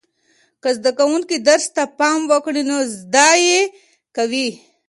که زده کوونکي درس ته پام وکړي نو زده یې کوي.